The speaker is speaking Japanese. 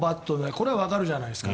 これはわかるじゃないですか。